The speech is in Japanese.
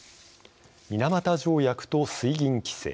水俣条約と水銀規制。